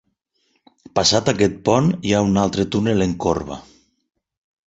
Passat aquest pont hi ha un altre túnel en corba.